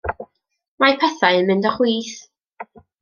Mae pethau yn mynd o chwith.